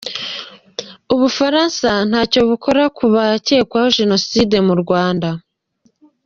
U Bufaransa ntacyo bukora ku bakekwaho Jenoside mu Rwanda